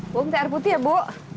bawang teh air putih ya bu